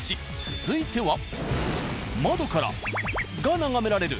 続いては。